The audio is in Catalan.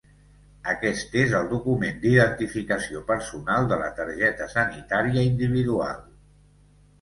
Aquest és el document d'identificació personal de la targeta sanitària individual.